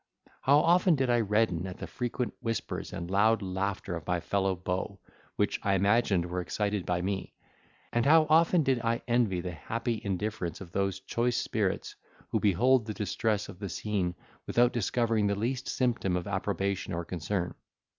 How often did I redden at the frequent whispers and loud laughter of my fellow beaux, which I imagined were excited by me; and how often did I envy the happy indifference of those choice spirits, who behold the distress of the scene without discovering the least symptom of approbation or concern.